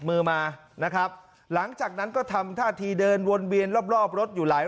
มือมานะครับหลังจากนั้นก็ทำท่าทีเดินวนเวียนรอบรอบรถอยู่หลาย